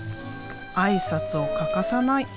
挨拶を欠かさない。